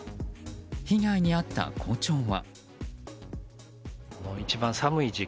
被害に遭った校長は。